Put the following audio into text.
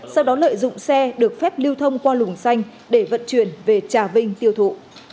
sau đó lợi dụng xe được phép lưu thông qua lùng xanh để vận chuyển về trà vinh tiêu thụ